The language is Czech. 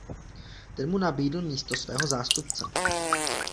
Ten mu nabídl místo svého zástupce.